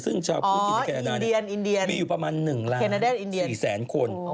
ซึ่งชาวพื้นอินเดียมีอยู่ประมาณ๑๔ล้านคน